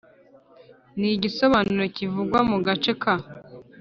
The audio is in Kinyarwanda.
n igisobanuro kivugwa mu gace ka